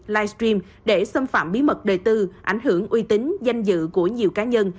livestream để xâm phạm bí mật đời tư ảnh hưởng uy tín danh dự của nhiều cá nhân